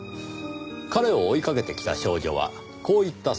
彼を追いかけてきた少女はこう言ったそうです。